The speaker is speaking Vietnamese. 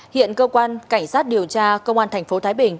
hiện cơ quan cảnh sát điều tra công an thành phố thái bình